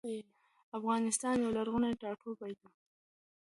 افغانستان يو لرغوني ټاټوبي دي